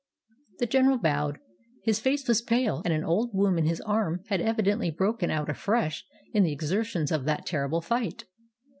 The general bowed. His face was pale, and an old wound in his arm had evidently broken out afresh in the exertions of that terrible fight.